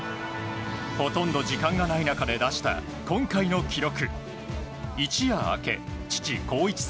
ほとんど時間がない中で出した今回の記録。